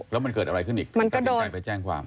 แล้วมันเกิดอะไรขึ้นอีกมันตัดสินใจไปแจ้งความ